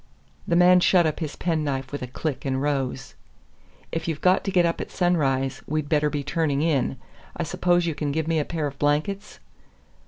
The man shut up his penknife with a click and rose. "If you've got to get up at sunrise, we'd better be turning in. I suppose you can give me a pair of blankets?"